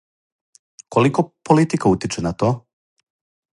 Колико политика утиче на то?